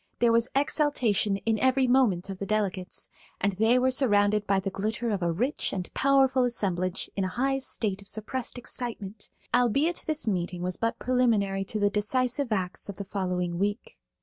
There was exaltation in every movement of the delegates, and they were surrounded by the glitter of a rich and powerful assemblage in a high state of suppressed excitement, albeit this meeting was but preliminary to the decisive acts of the following week.